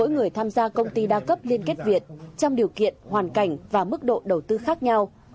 người tham gia công ty đa cấp liên kết việt trong điều kiện hoàn cảnh và mức độ đầu tư khác nhau